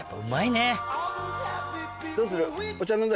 どうする？